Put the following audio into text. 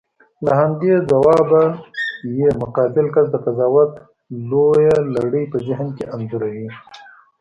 له همدې ځوابه یې مقابل کس د قضاوت لویه لړۍ په ذهن کې انځوروي.